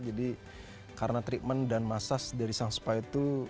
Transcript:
jadi karena treatment dan massage dari sang spa itu